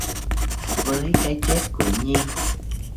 Với cái chết của Nhi